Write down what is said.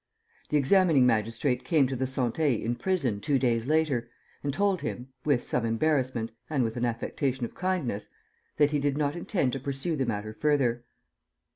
The examining magistrate came to the Santé in person, two days later, and told him, with some embarrassment and with an affectation of kindness, that he did not intend to pursue the matter further.